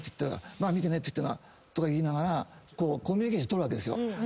「ママ見てね」とか言いながらコミュニケーション取るわけですよ。